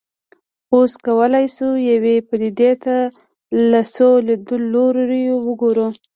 اوس کولای شو یوې پدیدې ته له څو لیدلوریو وګورو.